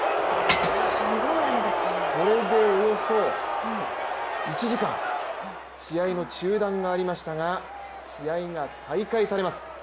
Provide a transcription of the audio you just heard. これでおよそ１時間、試合の中断がありましたが試合が再開されます。